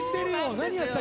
何やってた？